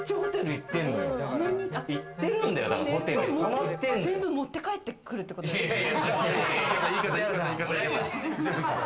行って全部持って帰ってくるってことですか？